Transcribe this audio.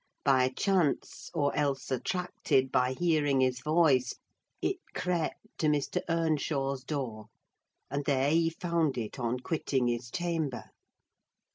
By chance, or else attracted by hearing his voice, it crept to Mr. Earnshaw's door, and there he found it on quitting his chamber.